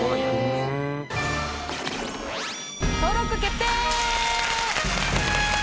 登録決定！